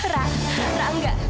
ra ra enggak